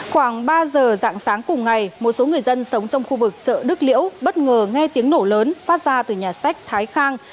khoảng ba giờ dạng sáng cùng ngày một số người dân sống trong khu vực chợ đức liễu bất ngờ nghe tiếng nổ lớn phát ra từ nhà sách thái khang